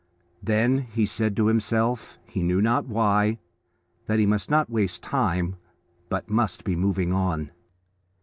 Then he said to himself, he knew not why, that he must not waste time, but must be moving on.